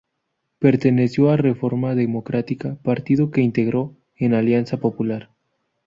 Perteneció a Reforma Democrática, partido que se integró en Alianza Popular.